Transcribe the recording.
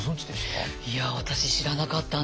いや私知らなかったんです。